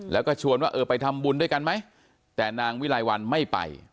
แล้วก็ชวนว่าเออไปทำบุญด้วยกันไหมแต่นางวิลัยวันไม่ไป